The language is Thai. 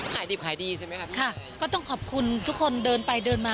ขายดิบขายดีใช่ไหมครับพี่ค่ะก็ต้องขอบคุณทุกคนเดินไปเดินมา